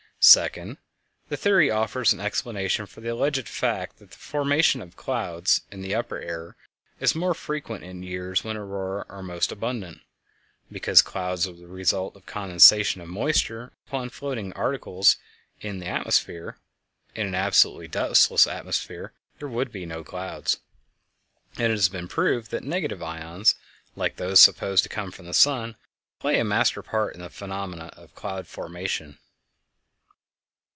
Second, the theory offers an explanation of the alleged fact that the formation of clouds in the upper air is more frequent in years when auroræ are most abundant, because clouds are the result of the condensation of moisture upon floating particles in the atmosphere (in an absolutely dustless atmosphere there would be no clouds), and it has been proved that negative ions like those supposed to come from the sun play a master part in the phenomena of cloud formation.